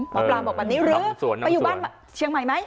หมอปลาบอกแบบนี้หรือไปอยู่บ้านเชียงใหม่ไหม